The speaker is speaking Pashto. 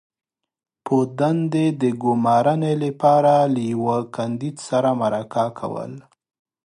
-په دندې د ګمارنې لپاره له یوه کاندید سره مرکه کول